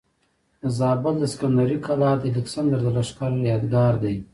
د زابل د سکندرۍ قلا د الکسندر د لښکر یادګار دی